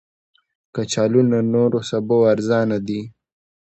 کچالو له نورو سبو ارزانه دي